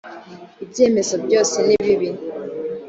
ibyemezo byose nibibi.